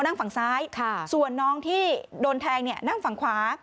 น้องน้องนั่งฝั่งซ้ายส่วนน้องที่โดนแทงนั่งฝั่งขวา